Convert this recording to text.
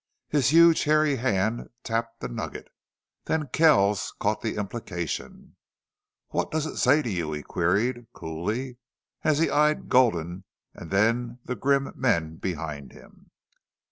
His huge, hairy hand tapped the nugget. Then Kells caught the implication. "What does it say to you?" he queried, coolly, and he eyed Gulden and then the grim men behind him.